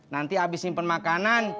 nanti abis simpen makanan